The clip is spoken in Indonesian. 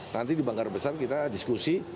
nanti di banggar besar kita diskusi